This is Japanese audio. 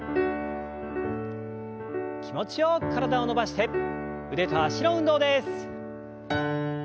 気持ちよく体を伸ばして腕と脚の運動です。